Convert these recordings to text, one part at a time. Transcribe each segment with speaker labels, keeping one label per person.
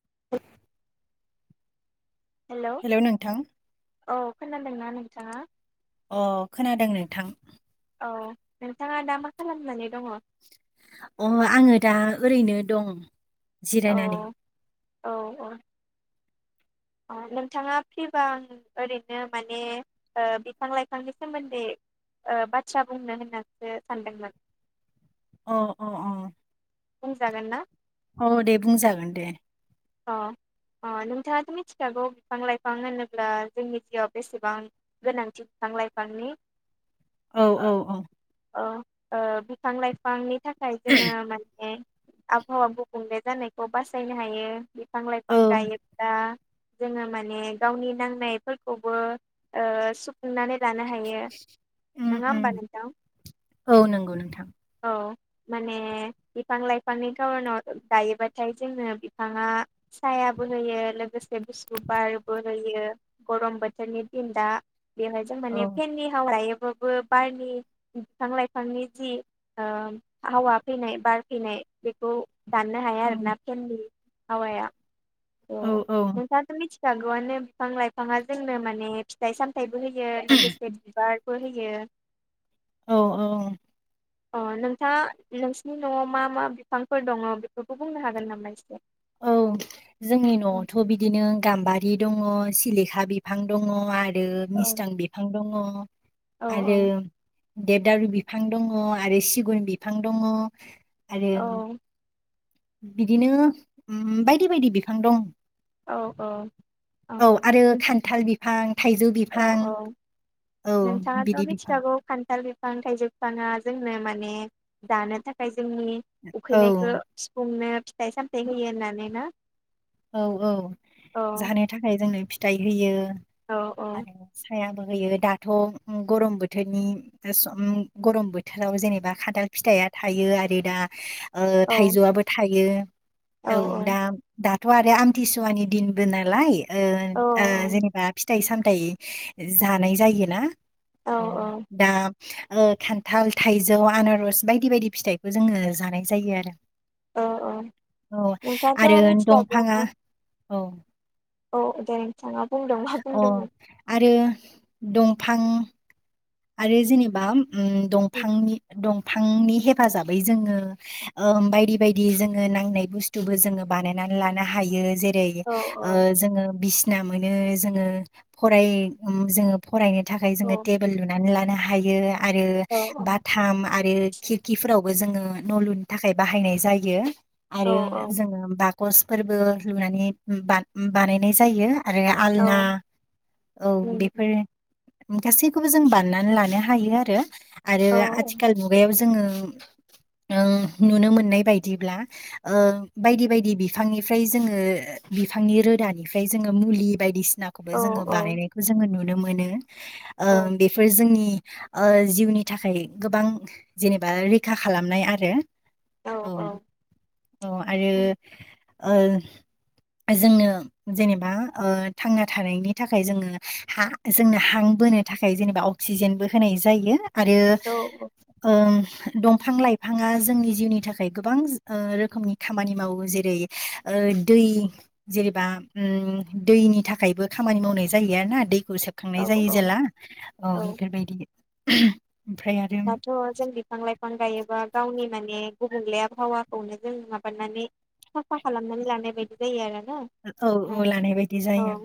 Speaker 1: [inaudible]
Speaker 2: Hello नोंथां
Speaker 1: औ खोनादोंना नोंथाङा
Speaker 2: अ खोनादों नोंथां
Speaker 1: औ नोंथाङा दा मा खालामनानै दङ
Speaker 2: अ आङो दा ओरैनो दं
Speaker 1: औ
Speaker 2: जिरायनानै
Speaker 1: औ औ अ नोंथाङा फ्रिबा आं ओरैनो माने ओ बिफां लाइफांनि सोमोन्दै ओ बाथ्रा बुंनो होननानसो सानदोंमोन
Speaker 2: अ अ अ
Speaker 1: जागोन ना
Speaker 2: औ दे बुंजागोन दे
Speaker 1: अ अ नोंथाङाथ' मिथिखागौ बिफां लाइफां होनोब्ला जोंनि जिउआव बेसेबां गोनांथि बिफां लाइफांनि
Speaker 2: औ औ औ
Speaker 1: औ ओ बिफां लाइफांनि थाखाय जोङो माने आबहावा गुबुंले जानायखौ बासायनो हायो बिफां लाइफां
Speaker 2: औ
Speaker 1: गायोब्ला जोङो माने गावनि नांनायफोरखौबो ओ सुफुंनानै जानो हायो
Speaker 2: उम
Speaker 1: नङा
Speaker 2: उम
Speaker 1: होमबा नोंथां
Speaker 2: औ नंगौ नोंथां
Speaker 1: औ माने बिफां लाइफांनि खार'नाव दायोबाथाय जोङो बिफाङा सायाबो होयो लोगोसे गुसु बारबो होयो गरम बोथोरनि दिन दा बेहाय जों
Speaker 2: औ
Speaker 1: माने फेननि हावा बो बारनि बिफां लाइफांनि जि ओ हावा फैनाय बार फैनाय। बेखौ, दाननो हाया
Speaker 2: औ
Speaker 1: आरोना फेननि हावाया
Speaker 2: औ
Speaker 1: त'
Speaker 2: औ
Speaker 1: नोंथाङाथ' मिथि [unintelligible] गौआनो बिफां लाइफाङा जोंनो माने फिथाइ सामथाइबो होयो लोगोसे बिबार बो होयो
Speaker 2: औ औ
Speaker 1: अ नोंथाङा नोंसिनि न'आव मा मा बिफांफोर दङ बेफोरखौ बुंनो हागोन नामा एसे?
Speaker 2: औ जोंनि न'आवथ' बिदिनो गाम्बारि दङ सिलिखा बिफां दङ आरो
Speaker 1: औ
Speaker 2: मिस्थां बिफां दङ।
Speaker 1: औ
Speaker 2: आरो देबदारु बिफां दङ आरो सिगुन बिफां दङ आरो।
Speaker 1: औ
Speaker 2: बिदिनो उम बायदि बायदि बिफां दं।
Speaker 1: औ
Speaker 2: औ आरो खान्थाल बिफां थाइजौ
Speaker 1: औ
Speaker 2: बिफां
Speaker 1: औ
Speaker 2: औ बिदि
Speaker 1: नोंथाङाथ'
Speaker 2: बिफां
Speaker 1: मिथिखागौ खान्थाल बिफां थाइजौ बिफांङा जोंनो माने जानो थाखाय जोंनि
Speaker 2: औ
Speaker 1: उखैनायखौ सुफुंनो फिथाइ सामथाइ होयो होननानै ना।
Speaker 2: औ औ
Speaker 1: औ
Speaker 2: जानो थाखाय जोंनो फिथाइ होयो।
Speaker 1: औ
Speaker 2: आरो सायाबो होयो दाथ' गरम बोथोरनि सम गरम बोथोराव जेनेबा खान्थाल फिथाइया थाइयो आरो दा ओ
Speaker 1: औ
Speaker 2: थाइजौआबो थायो औ दा दा थ आरो आमथिसुवानि दिनबो नालाय ओ
Speaker 1: औ
Speaker 2: ओ जेनेबा फिथाइ सामथाइ जानाय जायोना औ दा ओ खान्थाल थाइजौ आनारस बायदि बायदि फिथाइखौ जोङो जानाय जायो आरो।
Speaker 1: औ औ
Speaker 2: औ आरो
Speaker 1: नोंथाङाथ'
Speaker 2: दं।
Speaker 1: [unintelligible]
Speaker 2: औ
Speaker 1: औ दे नोंथां औ।
Speaker 2: अ आरो दंफां आरो जेनेबा उम दंफांनि दं फांनि हेफाजाबै जोङो ओ बायदि बायदि जोङो नांनाय बुस्थुबो जोङो बानायना लानो हायो जे
Speaker 1: औ
Speaker 2: ओ
Speaker 1: औ
Speaker 2: जोङो बिस्ना मोनो जोङो फराय ओ जोङो फरायनो थाखाय
Speaker 1: औ
Speaker 2: जोङो टेबोल लुनानै लानो हायो आरो
Speaker 1: औ
Speaker 2: बाथाम। आरो खिरखिफोरावबो जोङो न' लुनो थाखाय बाहायनाय जायो।
Speaker 1: औ
Speaker 2: आरो जोङो बाकसफोरबो लुनानै बानायनाय जायो। आरो
Speaker 1: औ
Speaker 2: आलना औ
Speaker 1: उम
Speaker 2: बेफोर गासैखौबो जों बा साननानै लानो हायो आरो आरो
Speaker 1: औ
Speaker 2: आथिखाल मुगायाव जोङो। ओं नुनो मोननाय बायदिब्ला ओ बायदि बायदि बिफांनिफ्राय जोङो। बिफांनि रोदानिफ्राय जोङो मुलि बायदिसि नाखौबो
Speaker 1: औ
Speaker 2: जोङो बानायनायखौ जोङो नुनो मोनो ओ
Speaker 1: औ
Speaker 2: बेफोर जोंनि ओ जिउनि थाखाय गोबां जेनेबा रैखा खालामनाय आरो। औ औ आरो
Speaker 1: उम
Speaker 2: ओ जोंनो जेनेबा ओ थांना थानायनि थाखाय जोङो हा- जोंनो हां बोनो थाखाय जेनेबा अक्सिजेनबो होनाय जायो आरो
Speaker 1: औ
Speaker 2: ओम। दंफां लाइफाङा जोंनि जिउनि थाखाय गोबां ओ रोखोमनि खामानि मावो जेरै ओ दै जेनेबा ओम दैनि थाखायबो खामानि मावनाय जायो आर ना दै। खौ
Speaker 1: औ
Speaker 2: सेबखांनाय जायो
Speaker 1: औ
Speaker 2: जेला औ बेफोरबायदि। ओमफ्राय आरो
Speaker 1: दाथ जों बिफां लाइफां गायोबा गावनि माने गुबुंले आबहावाखौनो जों माबानानै। साफा खालामनानै लानाय बायदि जायो आरो
Speaker 2: औ औ लानाय बायदि जायो ओं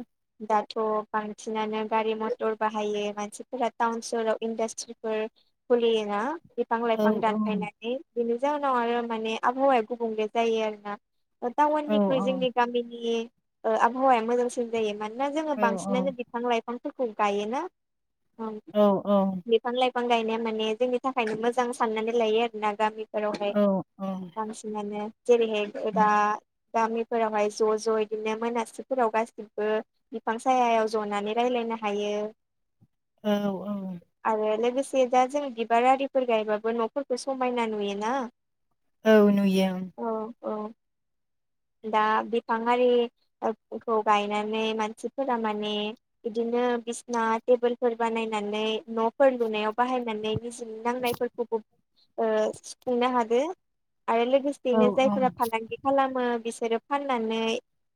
Speaker 1: थ बांसिनानो गारि मथर बाहायो मानसिफोरा टाउन सहराव इन्डास्ट्रिफोर खुलियो ना बिफां
Speaker 2: औ
Speaker 1: लाइफां दानफायनानै बेनि जाहनाव आरो माने आबहावाया गुबुंले जायो आरोना।
Speaker 2: औ
Speaker 1: टाउननिख्रुइ जोंनि गामिनि ओ आबहावाया मोजांसिन जायो मानो ना जोङो
Speaker 2: औ औ
Speaker 1: बांसिनानो बिफां लाइफांफोरखौ गायोना।
Speaker 2: औ औ
Speaker 1: बिफां गायनाया माने जोंनि थाखायनो मोजां साननानै लायो आरो ना गामि जेरावहाय
Speaker 2: औ औ
Speaker 1: बांसिनानो जेरैहाय दा गामिफोरावहाय ज ज इदिनो मोनासिफोराव गासिबो बिफां सायायाव जनानै रायलायनो हायो
Speaker 2: औ औ
Speaker 1: आरो लोगोसे दा जों बिबार आरिफोर गायबाबो नफोरखो समायना नुयोना।
Speaker 2: औ नुयो ओं।
Speaker 1: औ औ दा बिफां हारिखौ गायनानै मानसिफोरा माने इदिनो बायदिसिना टेबोलफोर बानायनानै नफोर लुनायाव बाहायनानै निजिनि नांनायफोरखौबो ओ सुफुंनो हादो। आरो
Speaker 2: औ
Speaker 1: लोगोसेयैनो जायफोरा फालांगि खालामो बिसोरो फाननानै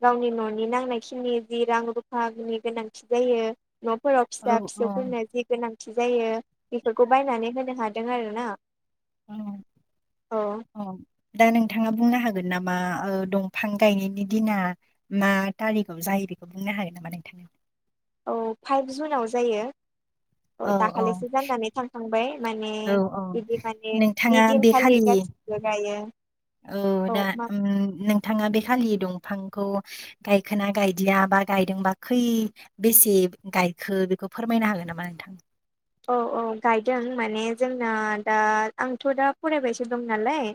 Speaker 1: गावनि ननि नांनाय खिनि जि रां रुफानि गोनांथि जायो नफोराव
Speaker 2: औ
Speaker 1: फिसा
Speaker 2: औ
Speaker 1: फिसौफोरनो जि गोनांथि जायो बेफोरखौ बायनानै होनो हादों आरोना।
Speaker 2: अ
Speaker 1: औ
Speaker 2: अ दा नोंथाङा बुंनो हा नामा दंफां गायनायनि दिना मा टारिगाव जायो बेखौ बुंनो हागोन नामा नोंथां?
Speaker 1: [inaudible] औ फाइभ जुनाव जायो औ दाखालिसो जानानै थांखांबाय। माने
Speaker 2: औ औ
Speaker 1: बिदि माने
Speaker 2: नोंथाङा बे
Speaker 1: बिदिनखालि
Speaker 2: खालि
Speaker 1: गासिबो गायो
Speaker 2: औ दा नोंथाङा बे खालि दं- फांखौ गायखोना गायदिया बा गायदोंबा खै बेसे गायखो? बेखौ फोरमायनो हागोन नामा नोंथां?
Speaker 1: औ औ गायदों माने जोंना दा आंथ दा फरायबायसो दं नालाय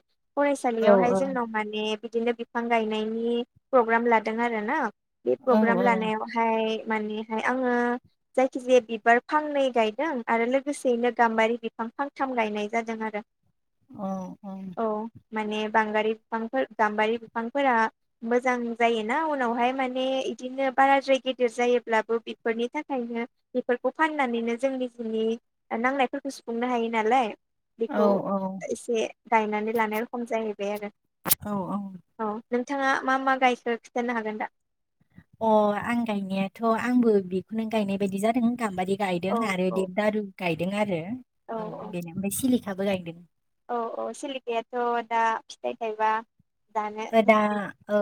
Speaker 2: औ
Speaker 1: फरायसालियावहाय
Speaker 2: औ
Speaker 1: जोंनाव माने बिदिनो बिफां गायनायनि प्रग्राम लादों आरो ना बे
Speaker 2: औ
Speaker 1: प्रग्राम लानायावहाय मानेहाय आङो जायखिजाया बिबार फांनै गाय दों आरो लोगोसेयैनो गाम्बारि बिफां फांथाम गायनाय जादों आरो।
Speaker 2: औ औ
Speaker 1: माने बांगांगारि बिफांफोर गाम्बारि बिफांफोरा मोजां जायोना उनावहाय माने बिदिनो बाराद्राय गेदेर जायोब्लाबो बेफोरनि थाखायनो बेफोरखौ फाननानैनो जोंनि जोंनि नांनायफोरखौ सुफुंनो हायो नालाय
Speaker 2: औ
Speaker 1: बेखौ एसे गायनानै लानाय रखम जाहैबाय आरो औ नोंथाङा मा मा गायखो खिन्थानो हागोन दा?
Speaker 2: अ आं गायनायाथ' आंबो बेखौनो गायनाय बायदि जादों गाम्बारि गायदों
Speaker 1: औ
Speaker 2: आरो
Speaker 1: औ
Speaker 2: देेबदारु गायदों आरो औ बेनि ओमफ्राय सिलिखाबो गायदों।
Speaker 1: औ औ सिलिखायाथ' दा फिथाइ थायबा
Speaker 2: दा औ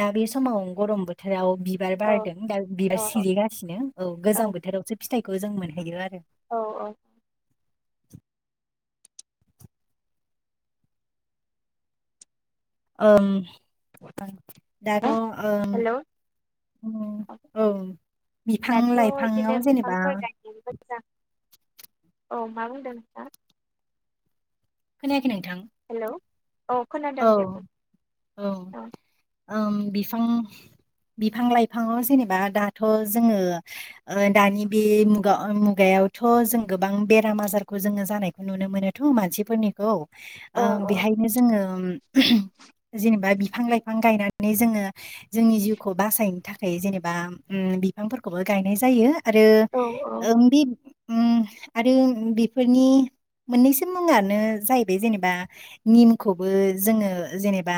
Speaker 2: दा बे समाव गरम बोथोराव बिबार
Speaker 1: औ
Speaker 2: बारदों दा
Speaker 1: औ
Speaker 2: बिबार सलिगासिनो औ गोजां बोथोरावसो फिथाइखौ जों मोनहैयो आरो
Speaker 1: औ औ
Speaker 2: ओं दाथ'ओ अ
Speaker 1: हेलौ
Speaker 2: औ बिफां
Speaker 1: दाथ' बिदिनो
Speaker 2: लाइफांआव जेनेबा
Speaker 1: बिफांफोर गायनानै मोजां औ मा बुंदों नोंथां?
Speaker 2: खोनायाखै नोंथां
Speaker 1: हेल'
Speaker 2: औ औ बिफां बिफां लाइफाङाव जेनेबा दाथ' जोङो ओ दानि बे मुगा मुगायाव यावथ' जों गोबां बेराम आजारखौ जोङो जानायखौ नुनो मोनोथ' मानसिफोरनिखौ ओ
Speaker 1: औ
Speaker 2: बेहायनो जोङो जि बा बिफां लाइफां गायनानै जोङो जोंनि जिउखौ बासायनो थाखाय जेनेबा ओम बिफां फोरखौबो गायनाय जायो आरो
Speaker 1: औ औ
Speaker 2: बे ओम आरो बेफोरनि मोननैसो मुङानो जाहैबाय जेनेबा निमखौ बो जोङो जेनेबा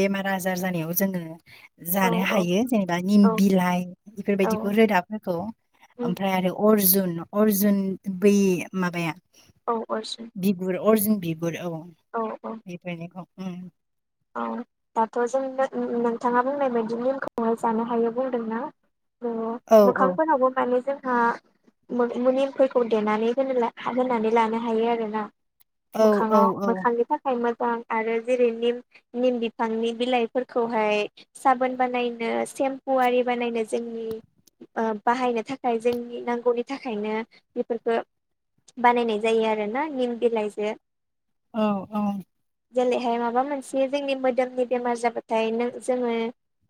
Speaker 2: बेमार आजार जानायाव जोङो जानो
Speaker 1: औ
Speaker 2: हायो। जेनेबा निम
Speaker 1: औ
Speaker 2: बिलाइ
Speaker 1: औ
Speaker 2: बेफोरबायदिखौ रोदाफोरखौ
Speaker 1: उम
Speaker 2: ओमफ्राय आरो अर्जुन अर्जुन बै माबाया
Speaker 1: औ अरसुन
Speaker 2: अरर्जुन बिबुर औ
Speaker 1: औ
Speaker 2: बेफोरनिखौं ओम
Speaker 1: औ दाथ' जों नोंथाङा बुंनाय बायदि निमखौह जानो हायो बुंदों ना? अ
Speaker 2: औ
Speaker 1: मोखांफोरनावबो माबा जा हा मनिमफोरखौ देनानै होनो होनानै लानो हायो आरो ना।
Speaker 2: औ औ
Speaker 1: मोखाङाव
Speaker 2: औ
Speaker 1: मोखांनि थाखाय मोजां आरो जेरै' निम निम बिफांनि बिलाइफोरखौहाय साबोन बानायनो सेम्पु आरि बानायनो जों ओ बाहायनो थाखाय जोंनि नांगौनि थाखायनो बेफोरखौ बानायनाय जायो आरोना निम बिलाइजो।
Speaker 2: औ औ
Speaker 1: जेलैहाय माबा मोनसे बे जोंनि मोदोमनि बेमार जाबाथायों जोङो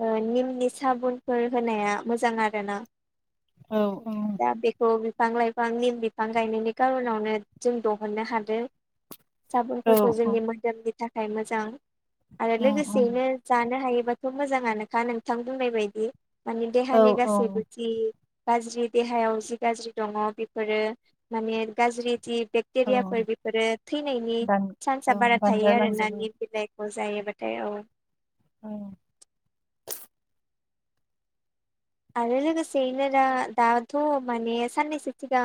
Speaker 1: ओ निमनि साबुनफोर होनाया मोजां आरोना
Speaker 2: औ
Speaker 1: दा बेखौ फिफां लाइफां निम बिफां गायनायनि खार'नावनो जों दहननो हादों।
Speaker 2: औ
Speaker 1: साबोनफोरखौ जोंनि मोदोमनि थाखाय मोजां आरो लोगोसेयैनो जानो हायो। थ' मोजांआनोखा नोंथां बुंनाय बायदि मानि
Speaker 2: औ
Speaker 1: देहानि
Speaker 2: औ
Speaker 1: गासैबो थि। गाज्रि देहायाव जि गाज्रि दङ बेफोरो माने गाज्रि जि
Speaker 2: औ
Speaker 1: बेक्टेरियाफोर बेफोरो थैनायनि
Speaker 2: दान
Speaker 1: सान्साआ
Speaker 2: ओं
Speaker 1: बारा थायो आरो ना
Speaker 2: दानगारलांजोबो
Speaker 1: निफ निफ्राय। ह जायोबाथाय औ
Speaker 2: औ
Speaker 1: आरो लोगोसेयैनो दा दाथ' माने साननैसो सिगां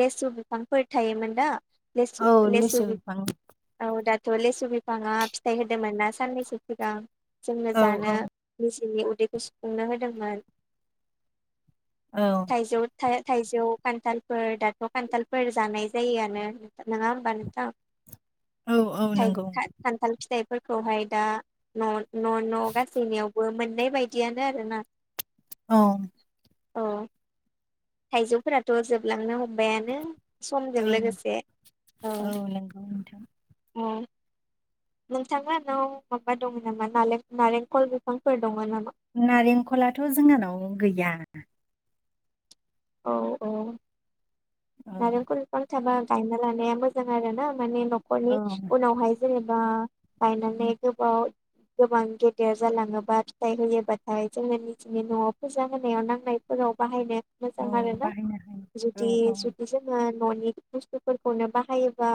Speaker 1: लेसु बिफांफोर थायोमोन दा लेसु
Speaker 2: औ
Speaker 1: लेसु
Speaker 2: लिसु
Speaker 1: बिफां औ दा ' लेसु बिफाङा फिथाइ होदोंमोन ना साननैसो सिगां जोंनो
Speaker 2: औ
Speaker 1: जानो लेस जोंनि उदै'खौ सुफुंनो होदोंमोन।
Speaker 2: औ
Speaker 1: थाइजौ थाइ थाइजौ खान्थालफोर दाथ' खान्थालफोर जानाय जायोआनो नङा होमबा नोंथां
Speaker 2: औ औ
Speaker 1: थाय
Speaker 2: नंगौ
Speaker 1: था खानथाल फिथाय फोरखौहाय दा न' न' न' गासैनियावबो मोननाय बायदियानो आरोना
Speaker 2: औ
Speaker 1: अ थाइजौफोराथ' जोबलांनो हमबायानो समजों
Speaker 2: ओं
Speaker 1: लोगोसे
Speaker 2: औ नंगौ नोंथां
Speaker 1: नोंथाङा नाव माबा दङ नामा नालेंखल बिफांफोर दङ नामा
Speaker 2: नारेंखलाथ' जोंहानाव गैया
Speaker 1: औ औ
Speaker 2: औ
Speaker 1: नारेंखल बिफां थाबा गायना लानाया मोजां आरो ना माने
Speaker 2: औ
Speaker 1: न'खरनि उनावहाय जेनेबा गायनानै गोबाव गोबां गेदेर जालाङोबा फिथाइ होयोबाथाय जोङो निजिनि न'आव फुजा होनायाव नांनायफोर बाहायनाय
Speaker 2: औ
Speaker 1: मोजां आरोना
Speaker 2: बाहायनो
Speaker 1: जुदि
Speaker 2: हायो औ औ
Speaker 1: जुदि जोन न'नि बुस्थुफोरखौनो बाहायोबा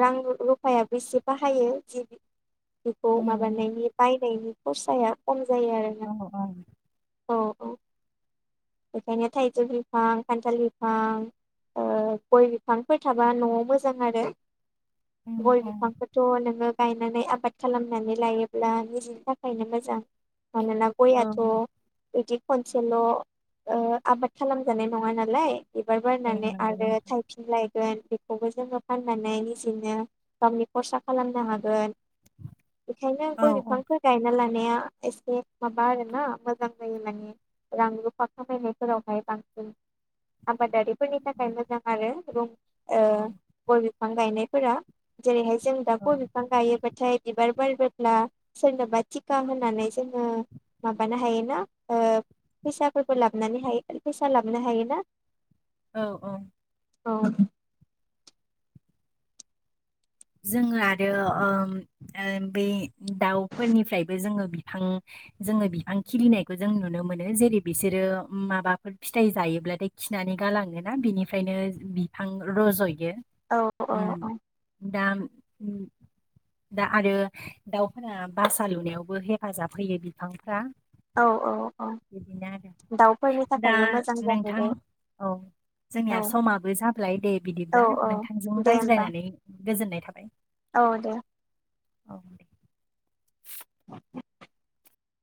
Speaker 1: रां रुफायाबो एसे बाहायो जि बेखौ
Speaker 2: उम
Speaker 1: माबानायनि बायनायनि खरसाया खम जायो
Speaker 2: अ
Speaker 1: आरोना
Speaker 2: औ
Speaker 1: औ औ बेखायनो थाइजौ बिफां खान्थाल बिफां गय बिफांफोर थाबा न'आव मोजां आरो
Speaker 2: उम
Speaker 1: गय
Speaker 2: औ
Speaker 1: बिफांखौथ' नोङो गायनानै आबाद खालामनानै लायोब्ला निजिनि थाखायनो मोजां मानोना
Speaker 2: औ
Speaker 1: गयाथ' बिदि खनसेल' आबाद खालामजानाय नङा नालाय बिबार
Speaker 2: औ
Speaker 1: बारनानै
Speaker 2: नंगौ
Speaker 1: आरो
Speaker 2: नोंथां
Speaker 1: थायफिनलाय गोन बेखौबो जोङो फाननानै निजेनो गावनि खरसा खालामनो हागोन बेखायनो
Speaker 2: औ
Speaker 1: गय
Speaker 2: औ
Speaker 1: बिफांफोर गायना लाङो एसे माबा आरोना मोजां जायो मान रां रुफा फाखा फायनायफोरावहाय बांसिन आबाद दारि फोरनि थाखाय मोजां आरो गय बिफां गायनायफोरा जेरैहाय जों
Speaker 2: औ
Speaker 1: दाउ' बिफां गायोब्लााथाय बिबार बारिबो ब्ला सोरनोबा टिका होनानै जोङो माबानो हायोना फैसा फोरबो लाबोनानै हायो फैसा लाबोनो हायोना
Speaker 2: औ औ
Speaker 1: औ
Speaker 2: जोङो आरो बै दाउफोरनिफ्रायबो जोङो बिफां जोङो बिफां खिलिनायखौ जों नुनो मोनो जेरै बिसोरो माबाफोर फिथाइ जायोब्लाथाय खि- नानै गालाङोना बिनिफ्रायनो बिफां रजयो
Speaker 1: औ औ औ
Speaker 2: दाम दा आरो दाउफोरा बासा लुनायावबो हेफाजाब होयो बिफांफ्रा
Speaker 1: औ औ औ
Speaker 2: बिदिनो आरो
Speaker 1: दाउफोरनि
Speaker 2: दा
Speaker 1: थाखायबो मोजां
Speaker 2: नोंथां
Speaker 1: जाहैबाय
Speaker 2: औ जोंनिया
Speaker 1: औ
Speaker 2: समाबो जाबय दे बिदिब्ला
Speaker 1: औ औ
Speaker 2: नोंथांजों
Speaker 1: दे होमबा
Speaker 2: रायज्लायनानै गोजोननाय थाबाय।
Speaker 1: औ दे
Speaker 2: औ